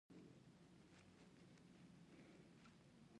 کیدلای شي چې سېلاب یو توری یا دوه توري وي.